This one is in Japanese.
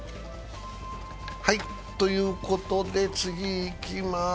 ということで次いきまーす。